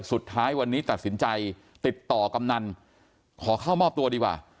สุดท้ายวันนี้ตัดสินใจติดต่อกำนันขอเข้ามอบตัวดีกว่า